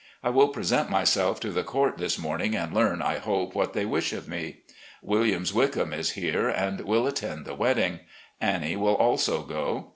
I will present myself to the court this morning, and learn, I hope, what they wish of me. Williams Wickham is here, and will attend the wedding. Annie will also go.